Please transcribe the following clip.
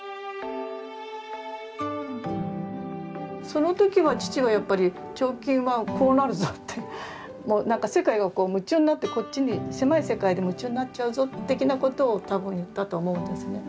その時は父はやっぱり「彫金はこうなるぞ」って何か世界がこう夢中になってこっちに狭い世界で夢中になっちゃうぞ的なことを多分言ったと思うんですね。